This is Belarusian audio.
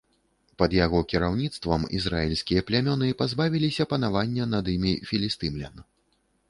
Пад яго кіраўніцтвам ізраільскія плямёны пазбавіліся панавання над імі філістымлян.